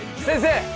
先生！